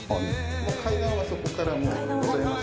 階段はそこからございません。